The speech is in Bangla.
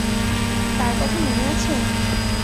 তার কথা মনে আছে?